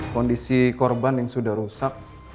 kondisi korban yang sudah rusak